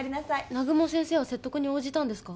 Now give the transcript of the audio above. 南雲先生は説得に応じたんですか？